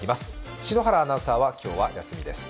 篠原アナウンサーは今日は休みです。